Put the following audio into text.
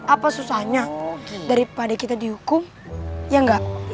apa susahnya daripada kita dihukum ya enggak